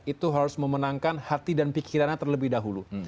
itu harus memenangkan hati dan pikirannya terlebih dahulu